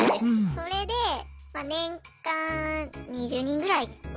それで年間２０人ぐらいは。